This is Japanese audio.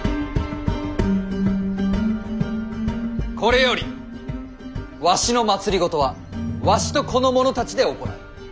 これよりわしの政はわしとこの者たちで行う。